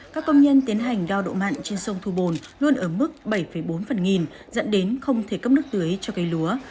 các công nhân tiến hành đao độ mặn trên sông thu bồn luôn ở mức bảy bốn phần nghìn dẫn đến không thể cấp nước tưới cho cây lúa